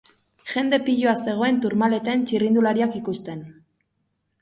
Jende piloa zegoen Tourmaleten txirrindulariak ikusten.